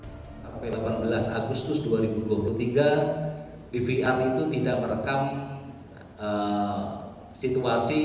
sampai delapan belas agustus dua ribu dua puluh tiga bvr itu tidak merekam situasi